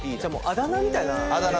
あだ名みたいな。